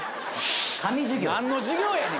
何の授業やねん！